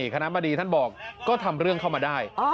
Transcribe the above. คณะบดีท่านบอกก็ทำเรื่องเข้ามาได้